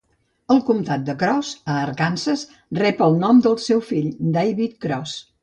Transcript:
El comtat de Cross, a Arkansas, rep el nom del seu fill David Cross.